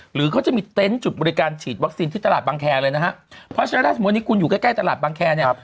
หรือเขาจะมีเต็นต์จุดบริการฉีดวัคซีนที่ตลาดบางแคร์เลยนะฮะเพราะฉะนั้นถ้าสมมุตินี้คุณอยู่ใกล้ใกล้ตลาดบางแคร์เนี่ย